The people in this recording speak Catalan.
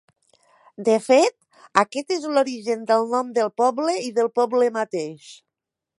De fet, aquest és l'origen del nom del poble i del poble mateix.